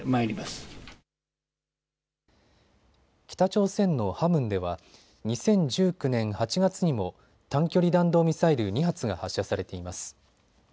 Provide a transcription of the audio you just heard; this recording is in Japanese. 北朝鮮のハムンでは２０１９年８月にも短距離弾道ミサイル２発が発射されています。